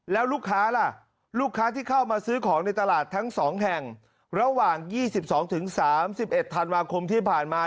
แล้วลูกค้าล่ะลูกค้าที่เข้ามาซื้อของในตลาดทั้ง๒แห่งระหว่าง๒๒๓๑ธันวาคมที่ผ่านมา